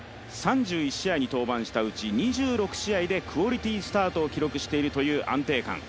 ３１試合に登板したうち２６試合でクオリティースタートを記録しているという安定感。